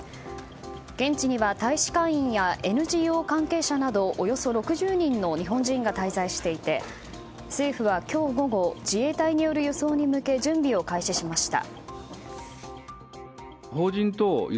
現地には大使館員やＮＧＯ関係者などおよそ６０人の日本人が滞在していて政府は今日午後自衛隊による輸送に向け準備を開始しました。